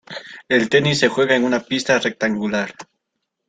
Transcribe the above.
El tenis se juega en una pista rectangular.